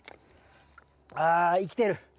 あ生きてる。